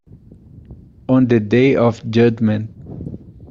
On the Day of Judgment.